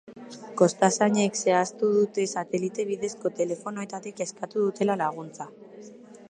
Kostazainek zehaztu dute satelite bidezko telefonoetatik eskatu dutela laguntza.